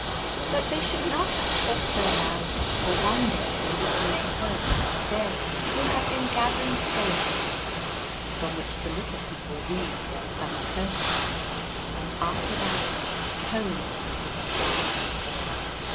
But they should not have talked so loudly, for one day they were overheard by a fairy who had been gathering skeleton leaves, from which the little people weave their summer curtains, and after that Tony was a marked boy.